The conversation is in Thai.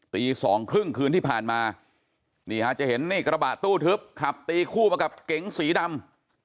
ตีสองครึ่งคืนที่ผ่านมานี่ฮะจะเห็นนี่กระบะตู้ทึบขับตีคู่มากับเก๋งสีดำ